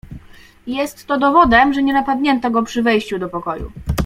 "Jest to dowodem, że nie napadnięto go przy wejściu do pokoju."